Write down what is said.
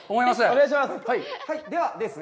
お願いします！